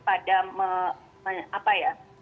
pada apa ya